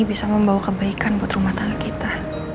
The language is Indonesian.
bisa membawa kebaikan buat rumah tangga kita